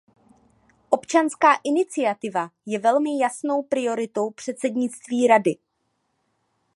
Občanská iniciativa je velmi jasnou prioritou předsednictví Rady.